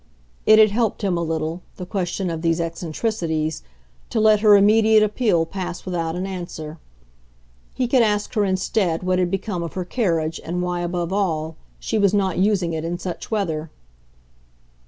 It had helped him a little, the question of these eccentricities, to let her immediate appeal pass without an answer. He could ask her instead what had become of her carriage and why, above all, she was not using it in such weather.